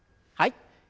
はい。